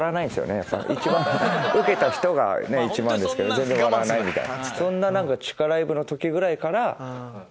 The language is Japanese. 一番ウケた人が１万ですけど全然笑わないみたいな。